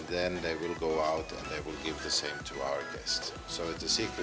dan kemudian mereka akan keluar dan memberikan yang sama kepada pelanggan kami